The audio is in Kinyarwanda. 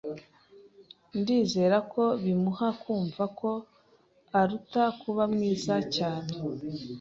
Ndizera ko bimuha kumva ko aruta kuba mwiza cyane.